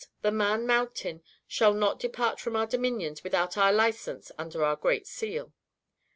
The Man Mountain shall not depart from our dominions without our licence under our great seal.